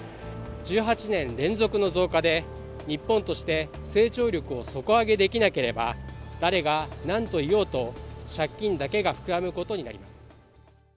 １８年連続の増加で、日本として成長力を底上げできなければ誰がなんと言おうと、借金だけが膨らむことになります。